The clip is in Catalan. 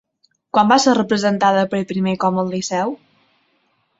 Quan va ser representada per primer com al Liceu?